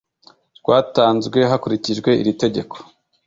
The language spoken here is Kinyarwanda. rwatanzwe hakurikijwe iri tegeko .